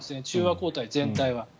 中和抗体全体は。